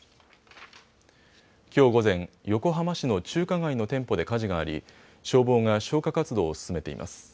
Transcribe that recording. きょう午前、横浜市の中華街の店舗で火事があり消防が消火活動を進めています。